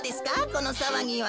このさわぎは。